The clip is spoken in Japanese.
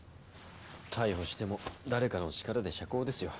逮捕しても誰かの力で釈放ですよ。